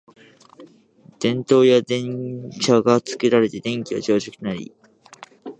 電燈や電車が作られて電気は常識となり、